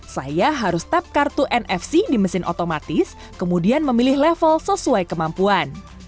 saya harus tap kartu nfc di mesin otomatis kemudian memilih level sesuai kemampuan